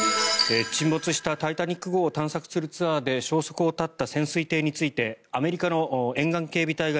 沈没した「タイタニック号」を観察するツアーで消息を絶った潜水艇についてアメリカの沿岸警備隊が